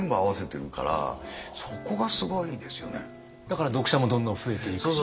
だから読者もどんどん増えていくし。